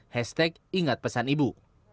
hashtag ingat pesan ibu